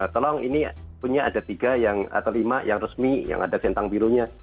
tolong ini punya ada tiga yang atau lima yang resmi yang ada sentang birunya